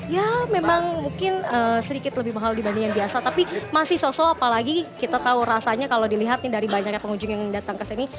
ya memang mungkin sedikit lebih mahal dibanding yang biasa tapi masih sosok apalagi kita tahu rasanya kalau dilihat nih dari banyaknya pengunjung yang datang ke sini